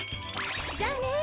じゃあね！